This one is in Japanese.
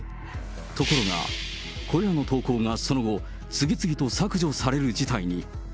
ところがこれらの投稿がその後、次々と削除される事態に。